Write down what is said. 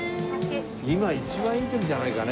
今一番いい時じゃないかね？